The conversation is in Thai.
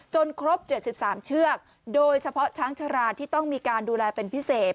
ครบ๗๓เชือกโดยเฉพาะช้างชาราที่ต้องมีการดูแลเป็นพิเศษ